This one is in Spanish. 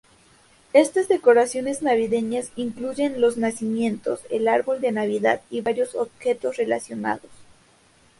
Estas decoraciones navideñas incluyen los Nacimientos, el árbol de Navidad y varios objetos relacionados.